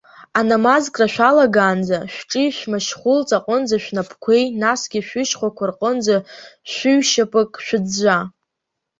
Анамазкра шәалагаанӡа шәҿи, шәмашьхәылҵ аҟынӡа шәнапқәеи, насгьы шәышьхәақәа рҟынӡа шәыҩшьапык шәыӡәӡәа.